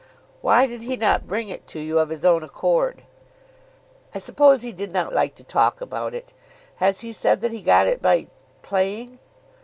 "Why did he not bring it to you of his own accord?" "I suppose he did not like to talk about it. Has he said that he got it by playing?"